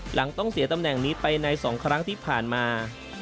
หลังต้องเสียตำแหน่งนี้ไปใน๒ครั้งที่ผ่านมา